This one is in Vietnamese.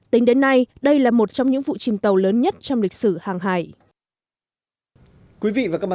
tính đến nay đây là một trường hợp